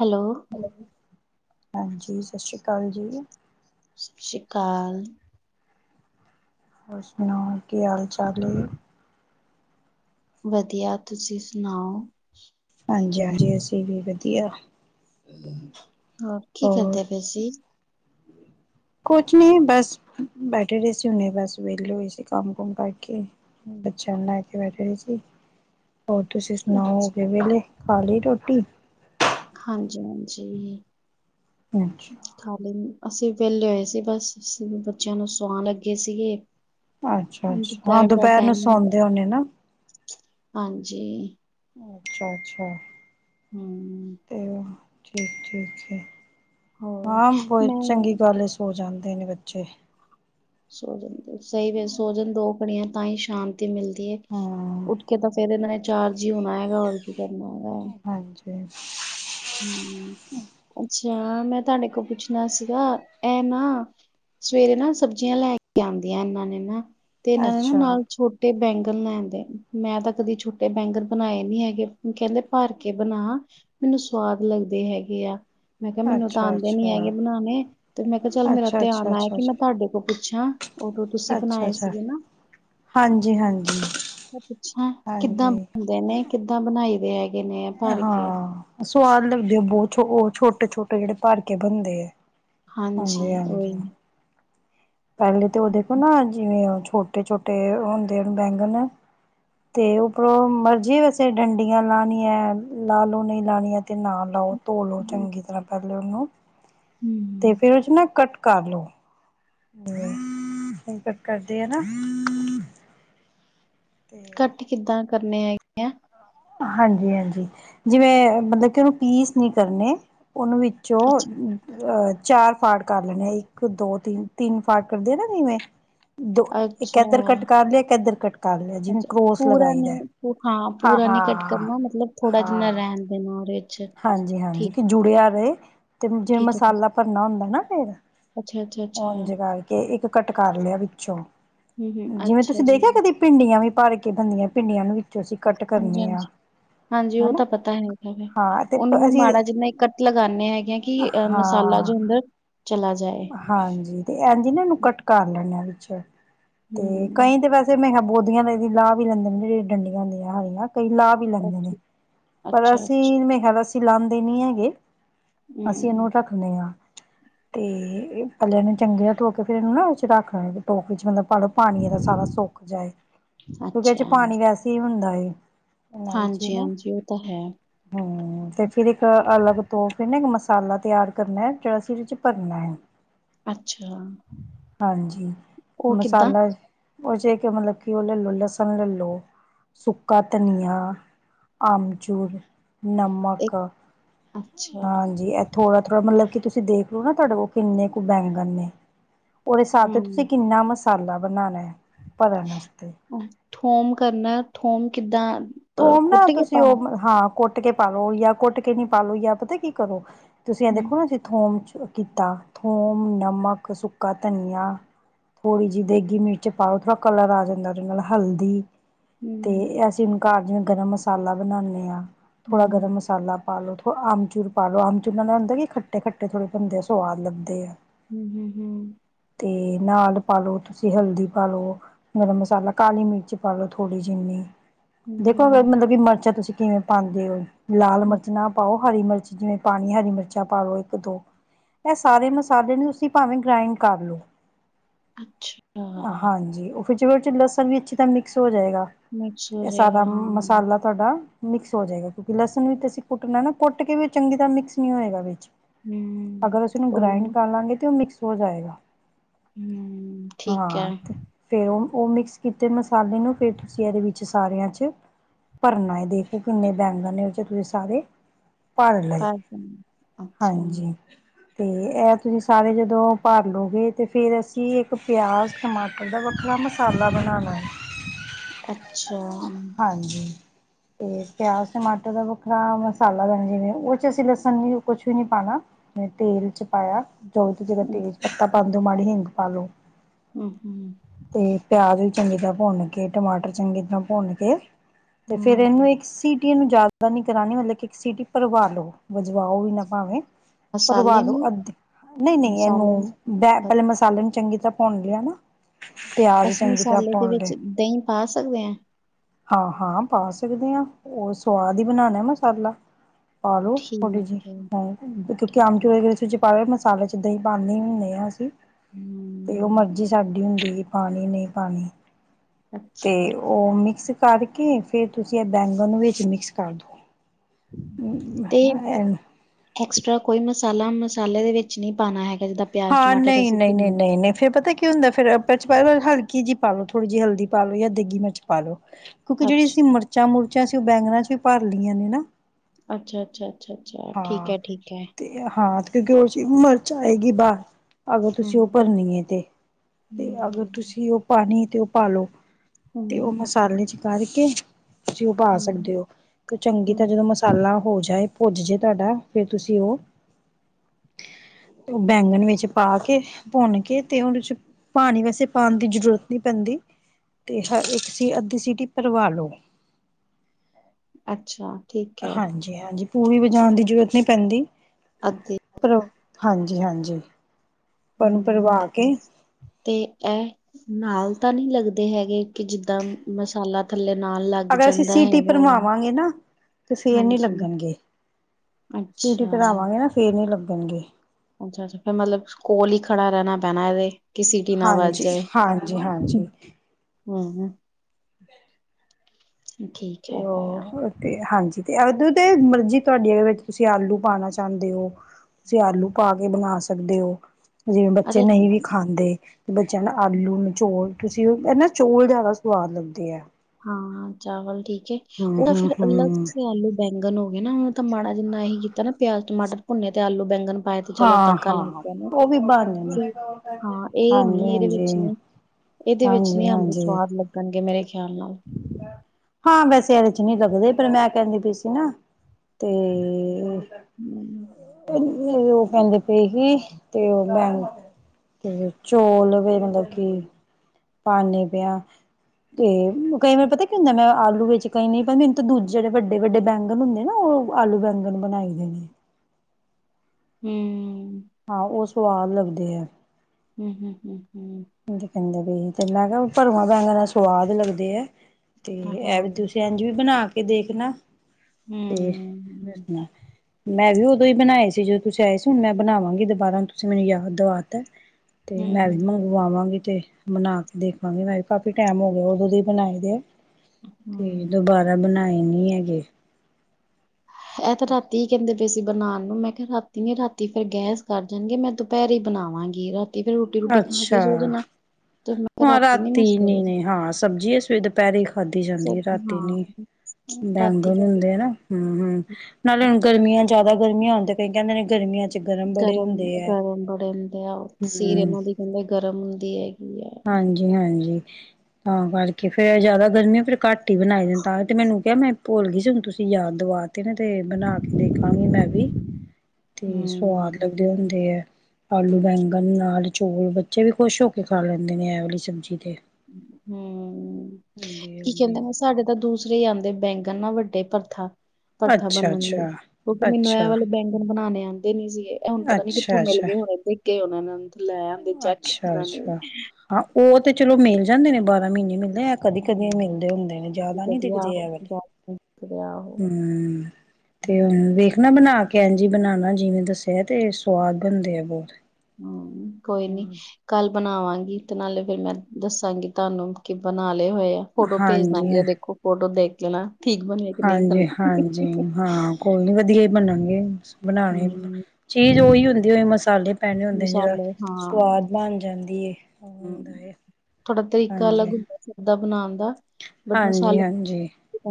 Hello, hello, ਹਾਂਜੀ ਸਸ ਸ੍ਰੀ ਕਾਲ ਜੀ। ਸਸ ਸ਼੍ਰੀ ਕਾਲ। ਹੋਰ ਸੁਣਾਓ, ਕੀ ਹਾਲ ਚਾਲ ਏ? ਵਧੀਆ, ਤੁਸੀਂ ਸੁਣਾਓ? ਹਾਂਜੀ, ਹਾਂਜੀ। ਅਸੀਂ ਵੀ ਵਧੀਆ। ਹੋਰ, ਕੀ ਕਰਦੇ ਪੇ ਸੀ। ਕੁਛ ਨਹੀਂ ਬਸ, ਬੈਠੇ ਪੇ ਸੀ ਹੁਨੇ ਬਸ ਵਿਹਲੇ ਹੋਏ ਸੀ। ਕੰਮ-ਕੁਮ ਕਰਕੇ ਬੱਚਿਆਂ ਨੂੰ ਲੈ ਕੇ ਬੈਠੀ ਹੋਈ ਸੀ। ਹੋਰ ਤੁਸੀਂ ਸੁਣਾਓ ਹੋ ਗਏ ਵੇਲੇ ਖਾਲੀ ਰੋਟੀ? ਹਾਂਜੀ ਹਾ ਜੀ। ਅੱਛਾ ਖਾਲੀ, ਅਸੀਂ ਵਿਹਲੇ ਹੋਏ ਸੀ। ਬਸ ਅਸੀਂ ਬੱਚਿਆਂ ਨੂੰ ਸਉਣ ਲੱਗੇ ਸੀਗੇ। ਅੱਛਾ ਹੁ, ਅੱਛਾ ਹਾਂ ਦੁਪਹਿਰ ਦਾ ਨੂੰ ਟਾਈਮ ਹੁੰਦਾ। ਸੌਦੇ ਹੋਣੇ ਨਾ ਹਾਂਜੀ। ਅੱਛਾ, ਅੱਛਾ। ਹੂੰ ਤੇ ਠੀਕ, ਠੀਕ ਠੀਕ, ਹੋਰ ਹਾਂ ਬੁਹਤ ਮੈਂ ਚੰਗੀ ਗੱਲ ਐ। ਸੋ ਜਾਂਦੇ ਨੇ ਬੱਚੇ। ਸੋ ਜਾਦੇ, ਸਹੀ ਵੇ ਸੋ ਜਾਦੇ ਆਪਣੇ ਤਾਂ ਹੀ ਸ਼ਾਂਤ ਮਿਲਦੀ ਏ। ਹਾਂ ਉੱਠ ਕੇ ਤਾਂ ਫੇਰ ਇਹਨਾਂ ਨੇ ਚਾਰਜ ਹੀ ਹੋਣਾ ਹੈਗਾ, ਹੋਰ ਕੀ ਕਰਨਾ ਹੈਗਾ। ਹਾਂਜੀ। ਹੂੰ, ਅੱਛਾ ਮੈਂ ਤੁਹਾਡੇ ਕੋਲ ਪੁੱਛਣਾ ਸੀਗਾ, ਐ ਨਾ ਸਵੇਰੇ ਨਾ ਸਬਜ਼ੀਆਂ ਲੈ ਕੇ ਆਉਂਦੀਆਂ ਇਹਨਾਂ ਨੇ ਨਾ, ਤੇ ਨਾਲ ਈ ਅੱਛਾ ਨਾਲ ਛੋਟ ਛੋਟੇ ਬੈਂਗਣ ਲੈਂਦੇ, ਮੈਂ ਤਾਂ ਕਦੀ ਛੋਟੇ ਬੈਂਗਣ ਬਣਾਏ ਨੀ ਹੈਗੇ, ਕਹਿੰਦੇ ਭਰ ਕੇ ਬਣਾ ਮੈਨੂੰ ਸਵਾਦ ਲੱਗਦੇ ਹੈਗੇ ਆ ਮੈਂ ਕਿਹਾ ਮੈਨੂੰ ਤਾਂ ਅੱਛਾ ਆਉਂਦੇ ਨੀ ਹੈਗੇ ਅੱਛਾ ਬਣਾਉਣੇ, ਤੇ ਮੈਂ ਕਿਹਾ ਚੱਲ ਮੇਰਾ ਅੱਛਾ ਅੱਛਾ ਧਿਆਨ ਆਇਆ ਅੱਛਾ ਕਿ ਮੈਂ ਅੱਛਾ ਤੁਹਾਡੇ ਕੋਲ ਪੁੱਛਾਂ। ਉਦੋਂ ਤੁਸੀਂ ਅੱਛਾ ਬਣਿਆ ਅੱਛਾ ਸੀਗੇ ਨਾ? ਹਾਂਜੀ ਹੂੰ, ਹਾਂਜੀ ਮੈ ਪੁੱਛਾਂ ਕਿੱਦਾਂ ਹਾਂਜੀ ਬਣੇ ਕਿੱਦਾਂ ਬਣਾਈ ਦੇ ਹੈਗੇ ਨੇ? ਭਰ ਕੇ ਹਾਂ, ਸਵਾਦ ਲੱਗਦੇ ਬੋਤ-ਛੋ ਛੋਟੇ -ਛੋਟੇ ਜਿਹੜੇ ਭਰ ਕੇ ਬਣਦੇ ਐ। ਹਾਂਜੀ ਉਈ। ਪਹਿਲੇ ਤਾਂ ਉਹ ਦੇਖੋ ਨਾ ਜਿਵੇਂ ਛੋਟੇ- ਛੋਟੇ ਹੁੰਦੇ ਬੈਂਗਣ ਅਤੇ ਉੱਪਰੋਂ ਮਰਜ਼ੀ ਵੈਸੇ ਡੰਡੀਆਂ ਲਣੀਆਂ ਲਾ ਲਉ ਨਹੀਂ ਲਾਣੀਆਂ ਅਤੇ ਨਾ ਲਾਓ ਧੋ ਲੋ ਚੰਗੀ ਤਰ੍ਹਾਂ ਪਹਿਲੇ ਉਹਨੂੰ ਤੇ ਹੂੰ, ਫੇਰ ਉਹ ਚ ਨਾ ਕੱਟ ਕਰ ਲੋ ਕੱਟ ਕਰਦੇ ਆ ਨਾ ਤੇ ਕੱਟ ਕਿੱਦਾਂ ਕਰਨੇ ਹੈਗੇ ਆ ਹਾਂਜੀ -ਹਾਂਜੀ ਜਿਵੇਂ ਮਤਲਬ ਕਿ ਉਹਨੂੰ ਪੀਸ ਨਹੀਂ ਕਰਨੇ ਉਹਨੂੰ ਵਿੱਚ ਵਿੱਚੋਂ ਅੱਛਾ, ਅ ਚਾਰ ਫਾਟ ਕਰ ਲੈਣੇ ਆ ਇੱਕ ਦੋ ਤਿੰਨ -ਤਿੰਨ ਫਾਟ ਕਰਦੇ ਆ ਨਾ ਜਿਵੇਂ ਦੋ ਇੱਕ ਅੱਛਾ। ਇੱਧਰ ਕੱਟ ਕਰ ਲਿਆ ਇੱਕ ਇੱਧਰ ਕੱਟ ਕਰ ਲਿਆ ਜਿਵੇਂ ਅੱਛਾ, ਕਰੋਸ ਪੂਰਾ ਲਗਾਈ ਦਾ ਨਹੀਂ ਹਾਂ ਪੂਰਾ ਨੀ ਕੱਟ ਕਰਨਾ ਮਤਲਬ ਥੋੜਾ ਜਿਨਾ ਹਾਂ ਰਹਿਣ ਦੇਣਾ ਉਹਦੇ 'ਚ। ਹਾਂਜੀ -ਹਾਂਜੀ ਠੀਕ, ਕਿ ਜੁੜਿਆ ਰਹੇ ਤੇ ਜਿਵੇਂ ਠੀਕ ਹੈ ਜੀ। ਮਸਾਲਾ ਭਰਨਾ ਹੁੰਦਾ ਨਾ ਫਿਰ ਅੱਛਾ- ਅੱਛਾ- ਅੱਛਾ ਕੇ ਇੱਕ ਕਟ ਕਰ ਲਿਆ ਵਿੱਚੋਂ ਹੂੰ, ਹੂੰ, ਜਿਵੇਂ ਅੱਛਾ ਤੁਸੀਂ ਜੀ। ਦੇਖਿਆ ਕਦੀ ਭਿੰਡੀਆਂ ਵੀ ਭਰ ਕੇ ਬਣਦੀਆਂ ਭਿੰਡੀਆਂ ਨੂੰ ਵਿੱਚੋਂ ਅਸੀਂ ਕੱਟ ਹਾਂਜੀ, ਕਰਨੇ ਆ ਹਾਂਜੀ। ਹਾਂਜੀ, ਉਹ ਹਨਾ ਪਤਾ ਤਾਂ ਹੈਗਾ ਵੇ ਹਾਂ ਤੇ ਉਹਨੂੰ ਵੀ ਮਾੜਾ ਅਸੀਂ ਜਿੰਨਾ ਕੱਟ ਲਗਾਉਂਦੇ ਹੈਗੇ ਆ ਕਿ ਅ ਮਸਾਲਾ ਹਾਂ ਜੋ ਹੁੰਦਾ ਚਲਾ ਜਾਏ ਹਾਂਜੀ ਤੇ ਇਜ ਈ ਨਾ ਇਹਨੂੰ ਕਟ ਕਰ ਲੈਣੇ ਆ ਵਿੱਚੋਂ ਤੇ ਹੂੰ, ਕਈ ਤੇ ਵੈਸੇ ਮੈਂ ਕਿਹਾ ਬੋਦੀਆਂ ਦੀ ਲਾਹ ਵੀ ਲੈਂਦੇ ਨੇ ਜਿਹੜੀ ਡੰਡੀਆਂ ਹੁੰਦੀਆਂ ਹੈਗਆਂ ਕਈ ਲਾਹ ਵੀ ਵੀ ਲੈਂਦੇ ਨੇ ਅੱਛਾ, ਪਰ ਅੱਛਾ, ਅਸੀਂ ਅੱਛਾ। ਤੇ ਮੇਰਾ ਖਿਆਲ ਅਸੀਂ ਇਹਨੂੰ ਲਾਉਂਦੇ ਨੀ ਹੈਗੇ ਅਸੀਂ ਹੂੰ, ਇਹਨੂੰ ਰੱਖਦੇ ਹਾਂ ਅਤੇ ਇਹ ਪਹਿਲੇ ਇਹਨੂੰ ਚੰਗੇ ਤਰ੍ਹਾਂ ਧੋ ਕੇ ਫਿਰ ਇਹਨੂੰ ਨਾ ਉਹ 'ਚ ਰੱਖ ਲੈਣਾ ਟੋਕਰੀ ਵਿੱਚ ਮਤਲਬ ਪਲ ਪਾਣੀ ਇਹਦਾ ਸਾਰਾ ਸੁਕ ਜਾਏ ਕਿਉਂਕਿ ਇਹਦੇ ਅੱਛਾ। ਵਿੱਚ ਪਾਣੀ ਵੈਸੇ ਹੀ ਹੁੰਦਾ ਏ ਹਾਂਜੀ -ਹਾਂਜੀ ਉਹ ਤਾਂ ਹੈ ਹੂ ਤੇ ਫਿਰ ਇੱਕ ਅਲੱਗ ਤੋਂ ਫਿਰ ਨਾ ਇੱਕ ਮਸਾਲਾ ਤਿਆਰ ਕਰਨਾ ਜਿਹੜਾ ਅਸੀਂ ਉਹਦੇ ਚ ਭਰਨਾ ਹੈ [inaudible] ਹਾਂਜੀ ਉਹ ਕਿੱਦਾਂ? ਮਸਾਲਾ ਉਹ ਚ ਕਿ ਮਤਲਬ ਕਿ ਉਹ ਲੈ ਲੋ ਲਸਣ ਲੈ ਲੋ ਸੁੱਕਾ ਧਨੀਆ ਅਮਚੂਰ ਇਹ ਨਮਕ ਅੱਛਾ ਹਾਂਜੀ ਥੋੜਾ -ਥੋੜਾ ਮਤਲਬ ਕਿ ਤੁਸੀਂ ਦੇਖ ਲੋ ਨਾ ਤੁਹਾਡੇ ਕੋਲ ਕਿੰਨੇ ਕੁ ਬੈਂਗਨ ਨੇ ਉਹਦੇ ਹਿਸਾਬ ਤੇ ਤੁਸੀਂ ਹੂੰ ਕਿੰਨਾ ਮਸਾਲਾ ਬਣਾਨਾ ਹੈ ਭਰਨ ਵਾਸਤੇ ਥੋਮ ਕਰਨਾ ਥੋਮ ਕਿੱਦਾਂ ਅ ਥੋਮ ਨਾ ਕੁੱਟ ਕੇ ਤੁਸੀਂ ਪਾ ਉਹ ਹੂੰ ਹਾਂ ਕੁੱਟ ਕੇ ਪਾਲੋ ਜਾਂ ਕੁੱਟ ਕੇ ਨਹੀਂ ਪਾ ਲਓ ਜਾਂ ਪਤਾ ਕੀ ਕਰੋ ਤੁਸੀਂ ਦੇਖੋ ਨਾ ਥੋਮ ਚ ਕੀਤਾ ਥੋਮ, ਨਮਕ, ਸੁੱਕਾ ਧਨੀਆ ਥੋੜ੍ਹੀ ਜਿਹੀ ਦੇਗੀ ਮਿਰਚ ਪਾਓ ਥੋੜਾ ਕਲਰ ਆ ਜਾਂਦਾ ਜਿਵੇਂ ਨਾਲ ਹਲਦੀ ਹਮ ਤੇ ਅਸੀਂ ਹੁਣ ਘਰ ਜਿਵੇਂ ਗਰਮ ਮਸਾਲਾ ਬਣਾਉਨੇ ਆ ਥੋੜਾ ਗਰਮ ਹੂੰ ਮਸ ਮਸਾਲਾ ਪਾ ਲੋ ਥੋੜਾ ਅਮਚੂਰ ਪਾ ਲਓ ਆਮਚੂਰ ਨਾਲ ਇਹ ਹੁੰਦਾ ਕਿ ਖੱਟੇ -ਖੱਟੇ ਥੋੜੇ ਬਣਦੇ ਆ ਸਵਾਦ ਲੱਗਦੇ ਆ ਹਮ ਹਮ ਹਮ ਤੇ ਨਾਲ ਪਾਾਲੋ ਤੁਸੀਂ ਹਲਦੀ ਪਾ ਲਓ ਗਰਮ ਮਸਾਲਾ ਕਾਲੀ ਮਿਰਚ ਪਾ ਲਉ ਥੜ੍ਹੀ ਜਿਨੀ ਹੂੰ ਦੇਖੋ ਅਗਰ ਹੂੰ ਮਤਲਬ ਕਿ ਮਰਚਾਂ ਤੁਸੀਂ ਕਿਵੇਂ ਪਾਂਦੇ ਔ। ਲਾਲ ਹੂੰ। ਮਰਚ ਨਾ ਪਾਓ। ਹਰੀ ਮਰਚ ਜਿਵੇਂ ਪਾਣੀ ਹਰੀ ਮਿਰਚਾਂ ਪਾਲੋ ਇੱਕ-ਦੋ। ਐ ਸਾਰੇ ਮਸਾਲੇ ਨੂੰ ਤੁਸੀਂ ਭਾਵੇਂ ਗ੍ਰਾਇੰਡ ਕਰ ਲੋ। ਅੱਛਾ ਹਾਂਜੀ, ਉਹ ਫਿਰ ਚ ਲਸਣ ਵਿੱਚ ਮਿਕਸ ਹੋ ਜਾਏਗਾ। ਮਿਕਸ ਹੋ ਇਹ ਸਾਰਾ ਜਾਏਗਾ, ਹਾਂ। ਮਸਾਲਾ ਤੁਹਾਡਾ ਮਿਕਸ ਹੋ ਜਾਏਗਾ, ਕਿਉਂਕਿ ਲਸਣ ਵੀ ਤੇ ਅਸੀਂ ਕੁੱਟਣਾ ਨਾ ਕੁੱਟ ਕੇ ਵੀ ਚੰਗੀ ਤਰ੍ਹਾਂ ਮਿਕਸ ਨੀ ਹੋਏਗਾ ਵਿੱਚ। ਹੂੰ ਅਗਰ ਅਸੀਂ ਓਨੂੰ ਉਹੀ ਗ੍ਰਾਇੰਡ ਨਾ ਕਰ ਲਾਂਗੇ ਤੇ ਉਹ ਮਿਕਸ ਹੋ ਜਾਏਗਾ। ਹੂੰ ਠੀਕ ਹੈ ਹਾਂ, ਤੇ ਫਿਰ ਓਹ ਉਹ ਮਿਕਸ ਕੀਤੇ ਮਸਾਲੇ ਨੂੰ ਫਿਰ ਤੁਸੀਂ ਐਵੀ ਚ ਸਾਰਿਆਂ ਚ ਭਰਨਾ ਏ, ਦੇਖੋ ਕਿੰਨੇ ਬੈਂਗਨ ਨੇ ਉਹ ਵਿਚ ਵਿੱਚ ਸਾਰੇ। ਭਰ ਲਏ, ਪਾ ਦੇਣਾ। ਅੱਛਾ ਹਾਂਜੀ। ਤੇ ਐਹ ਤੁਸੀਂ ਸਾਰੇ ਜਦੋਂ ਭਰ ਲੋ ਗੇ ਤੇ ਫਿਰ ਅਸੀਂ ਇੱਕ ਪਿਆਜ਼, ਟਮਾਟ ਕਹਿੰਦਾ ਵੱਖਰਾ ਮਸਾਲਾ ਬਣਾਣਾ ਏ। ਅੱਛਾ। ਹਾਂਜੀ। ਤੇ ਪਿਆਜ਼, ਟਮਾਟਰ ਦਾ ਵੱਖਰਾ ਮਸਾਲਾ [unintelligible] ਉੱਚ ਅਸੀਂ ਲਸਣ ਨੀ ਵੀ ਕੁਛ ਵੀ ਨੀ ਪਾਣਾ। ਮੈਂ ਤੇਲ ਚ ਪਾਇਆ, ਚਾਹੋ ਤੇ ਜਦਾ ਹੂੰ ਤੇਲ [unintelligible] ਮਾੜੀ ਹਿੰਗ ਪਾਲੋ। ਹੂੰ। ਤੇ ਪਿਆਜ਼ ਵੀ ਚੰਗੀ ਤਰ੍ਹਾਂ ਭੁੰਨ ਕੇ ਟਮਾਟਰ ਚੰਗੀ ਤਰ੍ਹਾਂ ਭੁੰਨ ਕੇ ਤੇ ਫਿਰ ਹੂੰ। ਇਨੂੰ ਇੱਕ ਸੀ। ਕੀ ਐਨੂੰ ਯਾਦ ਨੀ ਕਰਾਣੀ। ਮਤਲਬ ਕਿ ਇੱਕ ਸਿਟੀ ਭਰਵਾ ਲੋ, ਵਜਵਾਓ ਵੀ ਨਾ ਭਾਵੇਂ। ਭਰਵਾ ਮਸਾਲੇ ਲੋ ਨੂੰ ਅੱਧੀ ਨਹੀਂ ਨਹੀਂ, ਮਸਾਲੇ ਨੂੰ ਐਨੂੰ ਬੈ ਕਰ- ਪੈਲੇ ਮਸਾਲੇ ਨੂੰ ਚੰਗੀ ਤਰ੍ਹਾਂ ਭੂਣ ਲਿਆ ਨਾ। ਪਿਆਜ ਅਸੀਂ ਚੰਗੀ ਤਰ੍ਹਾਂ ਮਸਾਲੇ ਦੇ ਭੁੰਨ ਵਿੱਚ ਲਏ ਦਹੀਂ ਪਾ ਸਕਦੇ ਐਂ? ਹਾਂ ਹਾਂ, ਪਾ ਸਕਦੇ ਹਾਂ। ਉਹ ਸਵਾਦ ਹੀ ਬਣਾਉਣਾ ਮਸਾਲਾ। ਪਾਲੋ ਥੋੜੀ ਜਿਹੀ ਠੀਕ ਹੈ ਕਿਉਂਕਿ ਠੀਕ ਆਮ [unintelligible] ਹੈ ਠੀਕ ਚ ਪਾਵੇ ਮਸਾਲੇ ਚ ਦਹੀਂ ਪਾਣੇ ਈ ਹੁੰਣੇ ਆਂ ਅਸੀਂ। ਤੇ ਉਹ ਹੂੰ ਮਰਜ਼ੀ ਸਾਡੀ ਹੁੰਦੀ ਏ। ਪਾਣੀ ਨਹੀਂ ਪਾਣੀ ਤੇ ਅੱਛਾ ਉਹ ਮਿਕਸ ਕਰਕੇ ਫਿਰ ਤੁਸੀਂ ਐਹ ਬੈਂਗਨ ਨੂੰ ਵਿੱਚ ਮਿਕਸ ਕਰ ਦੋ। ਤੇ [unintelligible] ਐਕਸਟਰਾ ਕੋਈ ਮਸਾਲਾ ਮਸਾਲੇ ਦੇ ਵਿੱਚ ਨੀ ਪਾਣਾ ਹੈ। ਹਾਂ, ਨਹੀਂ-ਨਹੀਂ, ਨਹੀਂ-ਨਹੀਂ, ਨਹੀਂ ਫਿਰ ਪਤਾ ਕੀ ਕੀ ਹੁੰਦਾ ਫਿਰ ਅਪਚ ਪਾਏ ਹਲਕੀ ਜਿ ਪਾਲੋ ਥੋੜੀ ਜਿ ਹਲਦੀ ਪਾਲੋ ਯਾ ਦੇਗੀ ਮਿਰਚ ਪਾਲੋ। ਕਿਉਂਕਿ ਜੇੜੀ ਅਸੀਂ ਅੱਛਾ ਮਰਚਾਂ-ਮੁਰਚਾਂ ਸੀ ਉਹ ਬੈਂਗਨਾ 'ਚ ਵੀ ਭਰ ਲਈਆਂ ਨੇ ਨਾ। ਅੱਛਾ, ਅੱਛਾ‌। ਹਾਂ ਤੇ ਹਾਂ ਤੇ ਕਿਉਂਕਿ ਔ ਚੀ ਮਰਚ ਆਏਗੀ ਬਾਰ। ਅਗਰ ਤੁਸੀਂ ਉਹ ਹਮ ਭਰਨੀ ਏ ਤੇ। ਤੇ ਅਗਰ ਹਮ ਤੁਸੀਂ ਉਹ ਪਾਣੀ ਏ ਤੇ ਉਹ ਪਾਲੋ। ਤੇ ਉਹ ਹਮ ਮਸਾਲੇ ਚ ਕਰਕੇ, ਤੁਸੀਂ ਉਹ ਪਾ ਹਮ ਸਕਦੇ ਔ ਤੇ ਚੰਗੀ ਹਮ ਤਾਂ ਜਦੋਂ ਮਸ ਮਸਾਲਾ ਹੋ ਜਾਏ ਭੁੱਜ ਜੇ ਤੁਆਡਾ ਫਿਰ ਤੁਸੀਂ ਓ [inaudible] ਤੇ ਉਹ ਬੈਂਗਣ ਵਿੱਚ ਪਾ ਕੇ ਭੁੰਨ ਕੇ ਤੇ ਉਦੇ ਚ ਪਾਣੀ ਵੈਸੇ ਪਾਣ ਦੀ ਜ਼ਰੂਰਤ ਨੀ ਪੈਂਦੀ ਤੇ ਹਰ ਇੱਕ ਸੀ ਅੱਧੀ ਸੀਟੀ ਭਰਵਾ ਲੋ। ਅੱਛਾ। ਠੀਕ ਹੈ ਹਾਂਜੀ ਹਾਂਜੀ, ਪੂਰੀ ਵਜਾਣ ਦੀ ਜ਼ਰੂਰਤ ਨੀ ਪੈਂਦੀ। ਅੱਗੇ ਮਤਲਬ ਹਾਂਜੀ ਹਾਂਜੀ [unintelligible] ਹਮ ਭਰਵਾ ਕੇ ਤੇ ਐਹ ਨਾਲ ਤਾਂ ਨੀ ਲੱਗਦੇ ਹੈਗੇ ਕਿ ਜਿੱਦਾਂ ਮਸਾਲਾ ਥੱਲੇ ਨਾਲ ਲੱਗ ਜਾਂਦਾ ਹੈਗਾ ਹੈ। ਏ ਨਾ ਤੇ ਫਿਰ ਨੀ ਲੱਗਣ ਗੇ ਸੀਟੀ ਅੱਛਾ ਪਰਾਵਾਂਗੇ ਨਾ ਫਿਰ ਨੀ ਲੱਗਣ ਗੇ। ਅੱਛਾ-ਅੱਛਾ, ਫੇਰ ਮਤਲਬ ਕੋਲ ਹੀ ਖੜਾ ਰੈਣਾ ਪੈਣਾ ਇਹਦੇ। ਕਿ ਸਿਟੀ ਨਾ ਵਾਜ਼ ਹਾਂਜੀ, ਜਾਏ, ਹਾਂਜੀ, ਹਾਂਜੀ। ਹੂੰ, ਹੂੰ। ਤੇ, ਓ, ਤੇ ਹਾਂਜੀ। ਤੇ ਅਦੋਂ ਤੇ ਮਰਜ਼ੀ ਤੁਹਾਡੀ, ਅਗਰ ਤੁਸੀ ਆਲੂ ਪਾਣਾ ਚਾੰਦੇ ਓ। ਤੁਸੀ ਆਲੂ ਪਾਕੇ ਬਣਾ ਸਕਦੇ ਓ, ਜਿਵੇਂ ਬੱਚੇ ਨਈ ਵੀ ਖਾਂਦੇ। ਬੱਚੇਆਂ ਨੂੰ ਆਲੂ ਨਾ ਚੋਲ, ਤੁਸੀ ਐਨਾ ਚੋਲ ਜਾਦਾ ਸਵਾਦ ਲੱਗਦੇ ਐ। ਹਾਂ, ਚਾਵਲ ਠੀਕ ਏ, ਓ ਹੂੰ, ਫੇਰ ਅਲੱਗ ਹੂੰ। ਸੇ ਆਲੂ ਬੈਂਗਨ ਹੋ ਗਏ ਨਾ ਤੇ ਮਾੜਾ ਜਿੰਨਾ ਆਹੀ ਕੀਤਾ ਨਾ ਪਿਆਜ, ਟਮਾਟਰ ਭੁੰਨੇ ਤੇ ਆਲੂ ਬੈਂਗਨ ਪਾਇਆ ਤੇ ਚਲੋ ਹਾਂ, ਤੜਕਾ ਲੱਗ ਹਾਂ ਗਿਆ ਨਾ, ਉਹ ਵੀ ਬਣ ਜਾਂਦੇ ਤੇ ਹਾਂ ਹਾਂਜੀ, ਏਨੀ ਏਦੇ ਵਿੱਚ ਹਾਂਜੀ। ਨੀ ਇਹਦੇ ਵਿੱਚ ਨੀ ਹਾਂਜੀ, ਆਲੂ ਹਾਂਜੀ ਸਵਾਦ ਲੱਗਣਗੇ, ਮੇਰੇ ਖਿਆਲ ਨਾਲ। ਹਾਂ, ਵੈਸੇ ਏਦੇ'ਚ ਨੀ ਲੱਗਦੇ ਪਰ ''ਮੈਂ ਕਹਿੰਦੀ ਪਈ ਸੀ ਨਾ ਤੇ ਹਮ ਨਈਂ, ਓ ਕਹਿੰਦੀ ਪਏ ਹੀ, ਤੇ ਓ ''ਮੈਂ ਤੇ ਚੋਲ ਵੀ ਮਤਲਬ ਕਿ ਪਾਂਨੇ ਪੇਆਂ। ਤੇ ਕਈ ਵਾਰ ਪਤਾ ਕੀ ਹੁੰਦਾ, ਮੈਂ ਆਲੂ ਵਿੱਚ ਕਈ ਨੀ ਪਾਂਦੇ, ਤੇ ਦੂਜੇ ਜੇੜੇ ਵੱਡੇ-ਵੱਡੇ ਬੈਂਗਣ ਹੁੰਦੇ ਨਾ, ਓ ਆਲੂ, ਬੈਂਗਣ ਬਣਾਈ ਦੇਨੇ। ਹੂੰ। ਹਾਂ, ਓ ਸਵਾਦ ਲੱਗਦੇ ਐ। ਹੂੰ, ਹੂੰ, ਹੂੰ, ਹੂੰ। ਕਹਿੰਦੇ ਪੇ, ਤੇ ਮੈਂ ਕਿਹਾ ਭਰਵਾਂ ਬੈਂਗਣ ਐ ਸਵਾਦ ਲੱਗਦੇ ਐ। ਤੇ, ਹਾਂ ਐਵੀ ਹਮ ਤੁਸੀ ਏੰਜ ਵੀ ਬਣਾਕੇ ਦੇਖਣਾ, ਤੇ ਦੱਸਣਾ। 'ਮੈਂ ਵੀ ਓਦੋਂ ਈ ਬਣਾਏ ਸੀ ਜਦੋਂ ਤੁਸੀ ਆਏ ਸੀ, ਹੁਣ ''ਮੈਂ ਬਣਾਵਾਂਗੀ ਦੁਬਾਰਾ, ਤੁਸੀ ਮੈਨੂੰ ਯਾਦ ਦਵਾਤੈ। ਹਮ ਤੇ, ਮੈਂ ਵੀ ਹਮ ਮੰਗਵਾਵਾਂਗੀ ਤੇ ਬਣਾਕੇ ਦੇਖ ਲਾਂਗੀ, ਮੈਂ ਵੀ ਕਾਫੀ ਟਾਈਮ ਹੋਗਿਆ ਓਦੋਂ ਦੇ ਈ ਬਣਾਏ ਦੇ ਐ। ਤੇ, ਹਮ ਦੁਬਾਰਾ ਬਣਾਏ ਨੀ ਹੈਗੇ। ਐ ਤਾ, ਰ੍ਹਾਤੀ ਕਹਿੰਦੇ ਪੇ ਸੀ ਬਨਾਨ ਨੂੰ, ਮੈਂ ਕਿਹਾ ਰ੍ਹਾਤੀ ਨੀ ਰ੍ਹਾਤੀ ਫੇਰ ਗੈਸ ਕਰ ਜਾਣਗੇ ''ਮੈਂ ਦੁਪਹਰੇ ਈ ਬਣਾਵਾਂਗੀ, ਰਾਤੀ ਤੇ ਫੇਰ ਰੋਟੀ-ਰੂਟੀ ਅੱਛਾ ਖਾਕੇ ਸੋ ਜਾਨਾ, ਤੇ ਕਿਹਾ ਹਾਂ, ਨੀ ਮੈਂ ਰਾਤੀ ਸਵੇਰੇ ਨਹੀ-ਨਹੀ, ਹਾਂ ਸਬਜ਼ੀ ਏ ਸਵੇਰੇ ਦਪਹਿਰੇ ਈ ਖਾਧੀ ਸੋ ਜਾਂਦੀ ਏ ਰਾਤੀ ਹਾਂ ਨੀ, ਰਾਤੀ ਬੈਂਗਣ ਕਿਤੇ ਹੁੰਦੇ ਏ ਨਾ। ਹੂੰ, ਹੂੰ, ਨਾਲੇ ਹੁਣ ਗਰਮੀਆਂ ਜ਼ਿਆਦਾ ਗਰਮੀਆਂ ਹੋਣ, ਤੇ ਕਈ ਕਹਿੰਦੇ ਨੇ ਗਰਮੀਆਂ'ਚ ਗਰਮ, ਗਰਮ ਬੜੇ ਹੁੰਦੇ ਆ ਤਸੀਰ ਹਮ ਏਨਾਂ ਦੀ ਕਹਿੰਦੇ ਗਰਮ ਹੁੰਦੀ ਹੈਗੀ ਆ। ਹਾਂਜੀ-ਹਾਂਜੀ, ਤਾਂ ਕਰਕੇ ਫੇਰ ਜਾਦਾ ਗਰਮੀਆਂ ਫੇਰ ਕਟ ਕੇ ਬਣਾਈ ਦੇ, ਤਾਂਈ ਤੇ ਮੈਨੂੰ ਕਿਹਾ, ਮੈਂ ਭੁੱਲਗੀ ਸੀ ਹੁਣ ਤੁਸੀ ਯਾਦ ਦਵਾ ਤੇ ਨਾ ਤੇ ਬਣਾਕੇ ਦੇਖਾਂਗੀ ਮੈਂ ਵੀ, ਤੇ ਸਵਾਦ ਹੂੰ ਲੱਗਦੇ ਹੁੰਦੇ ਐ। ਆਲੂ ਬੈਂਗਣ ਨਾਲ ਚੋਲ, ਬੱਚੇ ਵੀ ਖੁਸ਼ ਹੋਕੇ ਖਾ ਲੈਂਦੇ ਨੇ ਐ ਵਾਲੀ ਸਬਜ਼ੀ ਤੇ। ਹੂੰ, ਕੀ ਹਾਂਜੀ-ਹਾਂਜੀ, ਕਹਿੰਦੇਨ ਓ ਸਾਡੇ ਤਾਂ ਦੂਸਰੇ ਈ ਆਂਦੇ ਬੈਂਗਨ ਨਾ, ਵੱਡੇ ਭਰਥਾ ਭਰਥਾ ਬਨਣ ਲਈ, ਅੱਛਾ-ਅੱਛਾ, ਕਿਉਂਕਿ ਮੈਨੂੰ ਐ ਅੱਛਾ। ਵਾਲੇ ਬੈਂਗਣ ਬਣਾਣੇ ਆਂਦੇ ਨੀ ਸੀਗੇ। ਐ ਹੁਣ ਪਤਾ ਨੀ ਕਿੱਥੋਂ ਅੱਛਾ-ਅੱਛਾ, ਮਿਲਗੇ ਹੋਣੇ, ਦਿਖਗੇ ਹੋਨੇ ਨੇ ਲੈ ਆਂਦੇ ਚਕ ਕੇ ਇਹਨਾਂ ਨੂੰ। ਅੱਛਾ-ਅੱਛਾ। ਹਾਂ, ਓ ਤੇ ਚਲੋ ਮਿਲ ਜਾਂਦੇ ਨੇ, ਬਾਰਾਂ ਮ੍ਹੀਨੇ ਮਿਲਦੇ ਐ ਕਦੀ-ਕਦੀ ਹਮ, ਮਿਲਦੇ ਹੁੰਦੇ ਨੇ, ਜਾਦਾ ਨੀ ਵਧੀਆ ਦਿਖਦੇ ਹੋ ਐ ਵਾਲੇ, ਜਾਣ ਰਿਹਾ ਉਹ ਹੂੰ। ਤੇ ਹੁਣ ਵੇਖਣਾ ਬਣਾਕੇ, ਐੰਜੀ ਬਣਾਨਾ ਜਿਵੇਂ ਦੱਸਿਆ ਤੇ ਸਵਾਦ ਬਣਦੇ ਆ ਬੋਤ। ਹੂੰ, ਕੋਈ ਨੀ ਹਾਂ, ਕੱਲ ਬਣਾਵਾਂਗੀ ਤੇ ਨਾਲੇ ਫੇਰ ਮੈਂ ਦੱਸਾਂਗੀ ਤਾਨੂੰ, ਕਿ ਬਣਾ ਲਏ ਹੋਏ ਆ। ਫੋਟੋ ਭੇਜ ਦਾਂਗੀ ਆ ਹਾਂਜੀ। ਦੇਖੋ ਫੋਟੋ ਦੇਖ ਲੈਣਾ, ਠੀਕ ਬਣੈ ਕਿ ਨੀ ਬਣੇ। ਹਾਂਜੀ ਹਾਂਜੀ ਹਾਂ ਕੋਈ ਨੀ ਵਧੀਆ ਈ ਬਨਨਗੇ ਬਣਾਣੇ, ਹਮ, ਚੀਜ਼ ਓਈ ਹੁੰਦੀ ਓਏ ਮਸਾਲੇ ਪੈਣੇ ਹੁੰਦੇ, ਜਰਾ ਮਸਾਲੇ ਸਵਾਦ ਬਣ ਜਾਂਦੀ ਏ। ਹੁਂ, ਹੁੰਦਾ ਏ ਥੋੜਾ ਤਰੀਕਾ ਅਲੱਗ ਹਾਂਜੀ ਦਾ ਬਣਾਣ ਦਾ, ਬਟ ਮਸਾਲ ਹਾਂਜੀ ਹਾਂਜੀ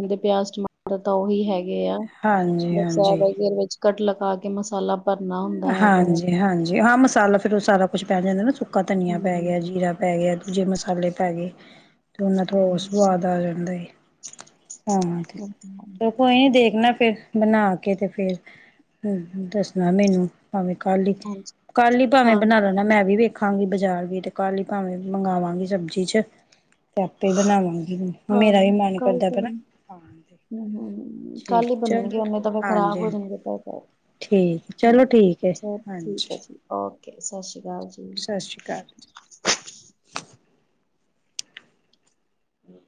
ਦੇ ਪਿਆਜ, ਟਮਾਟਰ ਤਾਂ ਓਹੀ ਹੈਗੇ ਆ। ਹਾਂਜੀ ਬਸ ਹਾਂਜੀ ਵਿੱਚ ਕੱਟ ਲਗਾ ਕੇ ਮਸਾਲਾ ਭਰਨਾ ਹੁੰਦਾ ਹੈਗਾ ਆ। ਹਾਂਜੀ ਹਾਂਜੀ, ਹਾਂ ਮਸਾਲਾ ਜਦੋ ਸਾਰਾ ਕੁੱਛ ਪੈ ਜਂਦਾ ਨਾ ਸੁੱਕਾ ਧਨੀਆ ਪੈ ਹਮ, ਗਿਆ, ਜੀਰਾ ਪੈ ਗਿਆ, ਦੂਜੇ ਮਸਾਲੇ ਪੈ ਗੇ। ਤੇ ਓਨਾ ਤੋਂ ਹਮ, ਹੋਰ ਸਵਾਦ ਆ ਜਾਂਦਾ ਏ, ਹਾਂ। ਇਹ ਤਾਂ ਹੈ। ਕੋਈ ਨੀ ਦੇਖਣਾ ਫੇਰ ਬਣਾ ਕੇ, ਤੇ ਫੇਰ ਹ ਦੱਸਣਾ ਮੈਨੂੰ। ਪਾਵੇ ਕੱਲ ਈ, ਹਾਂਜੀ ਕੱਲ ਈ ਪਾਵੇ ਹਾਂ ਬਣਾ ਲੈਣਾ ਮੈਂ ਵੀ ਵੇਖ ਖਾਂਗੀ ਬਜ਼ਾਰ ਵੀ, ਤੇ ਕੱਲ ਈ ਪਾਵੇ ਮੰਗਵਾਂਗੀ ਸਬਜ਼ੀ 'ਚ। ਤੇ ਆਪੇ ਈ ਬਣਾਵਾਂਗੀ ਹੁਣ, ਹਾਂ ਮੇਰਾ ਵੀ ਮਨ ਕੱਲ ਕਰਦਾ ਤਾਂ ਪਿਆ ਨਾ ਖਾਣ ਹਮ ਹਮ ਠੀਕ ਕੱਲ ਹੀ ਚਲ, ਬਣਨਗੇ ਉਹਨੇ ਤਾਂ ਫਿਰ ਖਰਾਬ ਹਾਂਜੀ ਹੋ ਜਾਣਗੇ ਪੈਸੇ ਠੀਕ। ਹਮ ਚਲੋ ਠੀਕ ਏ, ਚਲ ਠੀਕ ਹੈ ਹਾਂਜੀ। ਓਕੇ, ਸਸ ਸ਼੍ਰੀਕਾਲ ਜੀ। ਸਸ਼੍ਰੀਕਾਲ ਜੀ।